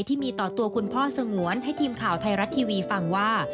ที่มีต่อตัวคุณพ่อสงวนให้ทีมข่าวไทยรัฐทีวีฟังว่า